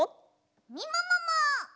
みももも！